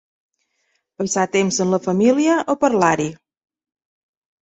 Passar temps amb la família o parlar-hi.